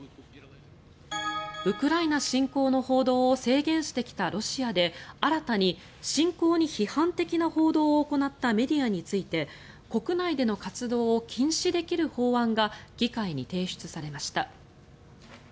ウクライナ侵攻の報道を制限してきたロシアで新たに侵攻に批判的な報道を行ったメディアについて国内での活動を禁止できる法案が議会に提出されました。